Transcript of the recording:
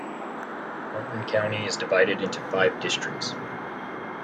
Martin County is divided into five districts.